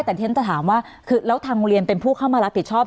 แต่ที่ฉันจะถามว่าคือแล้วทางโรงเรียนเป็นผู้เข้ามารับผิดชอบ